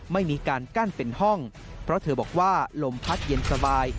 ไม่มีการกั้นเป็นห้องเพราะเธอบอกว่าลมพัดเย็นสบาย